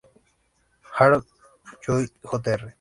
Harold Lloyd Jr.